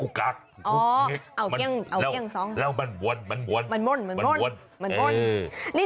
อ๋อเอาเกี๊ยงเอาเกี๊ยงสองแล้วมันมนมันมนมันมน